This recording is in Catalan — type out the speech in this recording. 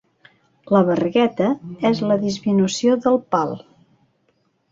La vergueta és la disminució del pal.